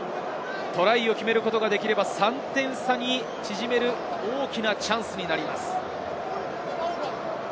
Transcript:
トライを決めることができれば、３点差に縮める大きなチャンスになります。